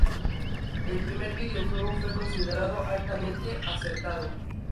El primer videojuego fue considerado altamente acertado.